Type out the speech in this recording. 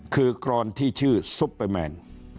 คือกรอนที่ชื่อซุปเปอร์แมน